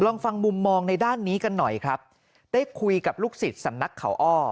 ลองฟังมุมมองในด้านนี้กันหน่อยครับได้คุยกับลูกศิษย์สำนักเขาอ้อ